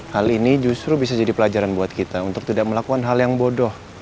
hal ini justru bisa jadi pelajaran buat kita untuk tidak melakukan hal yang bodoh